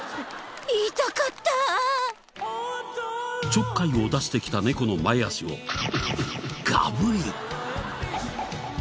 ちょっかいを出してきた猫の前足をガブリ。